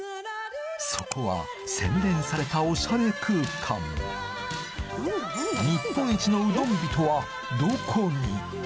そこは洗練されたおしゃれ空間日本一のうどん人はどこに？